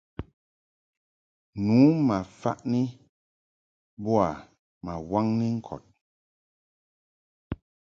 Nu ma faʼni boa ma waŋni ŋkɔd.